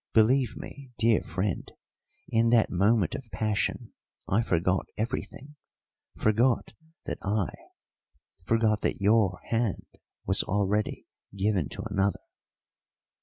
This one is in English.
Believe me, dear friend, in that moment of passion I forgot everything forgot that I forgot that your hand was already given to another."